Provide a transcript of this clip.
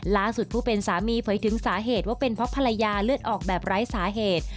ล่าสุดผู้เป็นสามีเผยถึงสาเหตุว่าเป็นเพราะภรรยาเลือดออกแบบไร้สาเหตุ